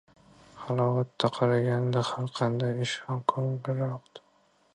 Halovatga qaraganda har qanday ish ham ko‘gilliroqdir.